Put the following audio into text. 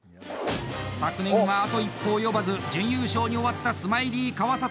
昨年は、あと一歩及ばず準優勝に終わったスマイリー川里。